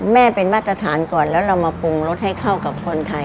แม่เป็นมาตรฐานก่อนแล้วเรามาปรุงรสให้เข้ากับคนไทย